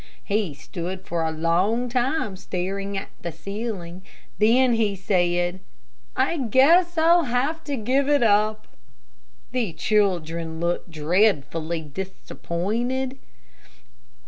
He stood for a long time staring at the ceiling, then he said, "I guess I'll have to give it up." The children looked dreadfully disappointed.